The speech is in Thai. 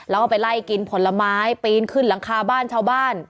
แล้วก็ไปไล่กินผลไม้ปีนขึ้นหลังคาบ้านชาวบ้าน